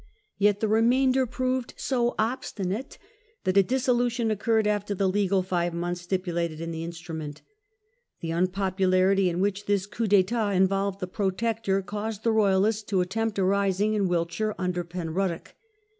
Yet the remainder proved so obstinate that a dissolution occurred after the legal five months stipulated in the " Instrument ". The unpopularity in which this coup diktat involved the Pro tector caused the Royalists to attempt a rising in Wilt shire under Penruddock.